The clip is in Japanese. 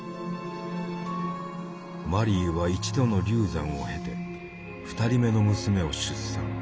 マリーは一度の流産を経て２人目の娘を出産。